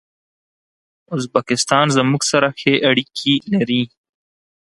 ازبکستان زموږ سره ښې اړیکي لري.